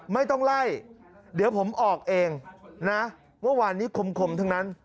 ไม่ต้องไล่เดี๋ยวผมออกเองนะเมื่อวานนี้คมทั้งนั้น